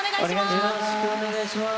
よろしくお願いします。